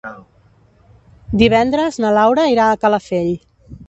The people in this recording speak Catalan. Divendres na Laura irà a Calafell.